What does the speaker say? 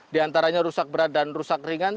diantaranya rusak berat dan rusak ringan